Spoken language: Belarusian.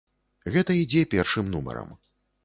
Гэта ідзе першым нумарам.